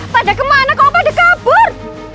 pada kemana kalau pada kabur